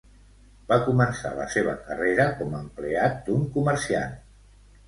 Va començar la seva carrera com a empleat d'un comerciant.